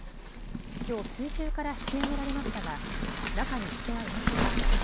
きょう水中から引き揚げられましたが中に人はいませんでした。